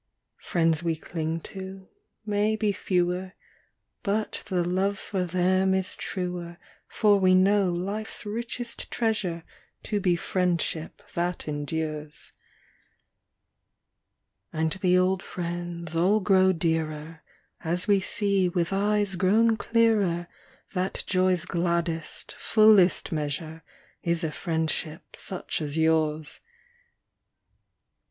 Is a F riends xv)e clinq to mau be fe^Oer, But the loOe jor them is truer; fbr \Oe know life s richest treasure To be friendship that em dures, And the old jriends all qroxO dearer & As vOe see \oith eues qro\On clearer That joq's gladdest, fullest measure ' Is a friendship such as Ljours.